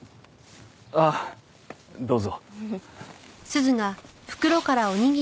ああどうぞ。